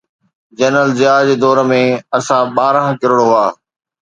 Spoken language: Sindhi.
جنرل ضياءَ جي دور ۾ اسان ٻارهن ڪروڙ هئا.